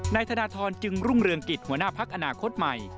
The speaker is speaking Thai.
นายธนทรจึงรุ่งเรืองกิจหัวหน้าพักอนาคตใหม่